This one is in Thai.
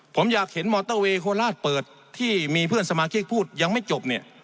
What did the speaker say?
ผมอยากเห็นมอเตอร์เวย์โคราชเปิดที่มีเพื่อนสมาชิกพูดยังไม่จบเนี่ย